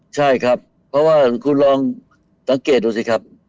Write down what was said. ใช่ครับเพราะว่าคุณลองสังเกตดูสิครับ